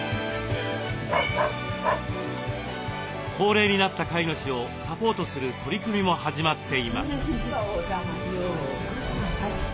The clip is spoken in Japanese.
高齢になった飼い主をサポートする取り組みも始まっています。